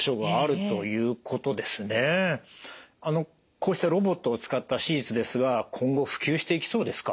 こうしたロボットを使った手術ですが今後普及していきそうですか？